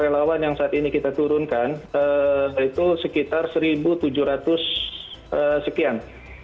relawan yang saat ini kita turunkan itu sekitar satu tujuh ratus sekian